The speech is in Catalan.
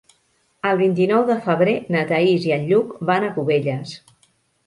El vint-i-nou de febrer na Thaís i en Lluc van a Cubelles.